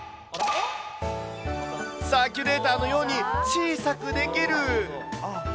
サーキュレーターのように小さくできる。